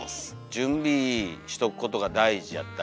準備しとくことが大事やったりとか。